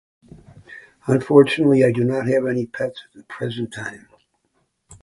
Unfortunately, I do not have any pets [unintelligible] the present time.